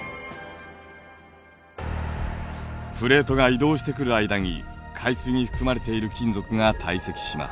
プレートが移動してくる間に海水に含まれている金属が堆積します。